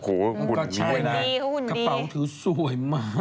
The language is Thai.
โอ้โหนะกระเป๋าถือสวยมาก